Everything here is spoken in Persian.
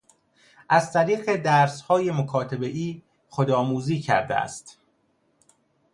از طریق درسهای مکاتبهای خودآموزی کرده است.